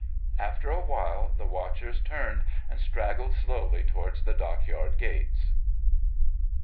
After a while the watchers turned and straggled slowly towards the Dockyard Gates.